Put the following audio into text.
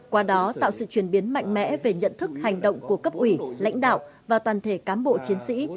qua đó tạo sự chuyển biến mạnh mẽ về nhận thức hành động của cấp ủy lãnh đạo và toàn thể cán bộ chiến sĩ